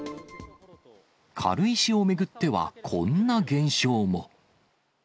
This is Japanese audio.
軽石を巡っては、こんな現象も。